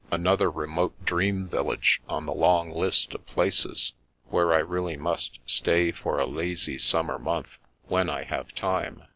Another remote, dream village 212 The Princess Passes on the long list of places where I really must stay for a lazy summer month — ^when I have time